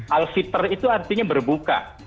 al fitr itu artinya berbuka